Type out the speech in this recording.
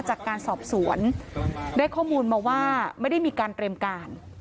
จากการสอบสวนได้ข้อมูลมาว่าไม่ได้มีการเตรียมการ